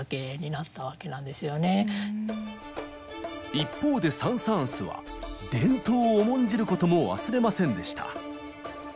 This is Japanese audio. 一方でサン・サーンスは伝統を重んじることも忘れませんでした。